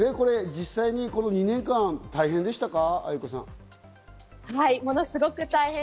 実際にこの２年間大変でしたか？